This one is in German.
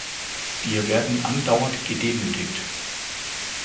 Wir werden andauernd gedemütigt.